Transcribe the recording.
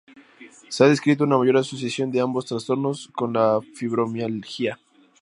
Se ha descrito una mayor asociación de ambos trastornos con la fibromialgia.